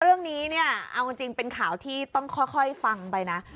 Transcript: เรื่องนี้เนี่ยเอาจริงเป็นข่าวที่ต้องค่อยฟังไปนะ